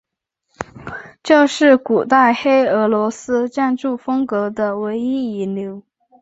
这是古代黑俄罗斯建筑风格的唯一遗留。